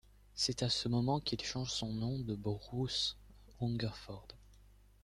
C'est à ce moment qu'il change son nom de Bruce Hungerford.